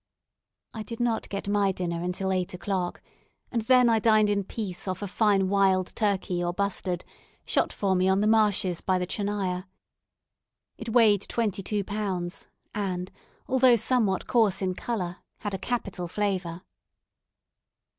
I did not get my dinner until eight o'clock, and then I dined in peace off a fine wild turkey or bustard, shot for me on the marshes by the Tchernaya. It weighed twenty two pounds, and, although somewhat coarse in colour, had a capital flavour.